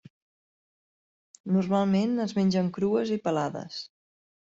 Normalment es mengen crues i pelades.